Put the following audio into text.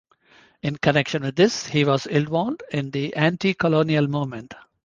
In connection with this, he was involved in the anti-colonial movement.